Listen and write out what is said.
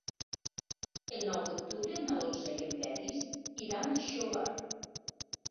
El nou d'octubre na Dolça i en Peris iran a Xóvar.